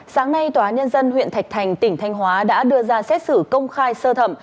sáng nay tòa nhân dân huyện thạch thành tỉnh thanh hóa đã đưa ra xét xử công khai sơ thẩm